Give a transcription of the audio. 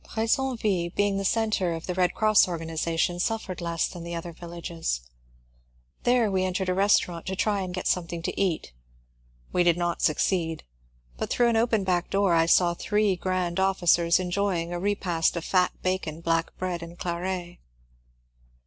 B^zonville, being the centre of the Bed Cross organization, suffered less than other villages. There we entered a restau rant to try and get something to eat ; we did not succeed ; but through an open back door I saw three grand officers enjoy ing a repast of fat bacon, black bread, and claret.